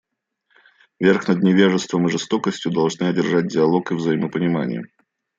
Верх над невежеством и жестокостью должны одержать диалог и взаимопонимание.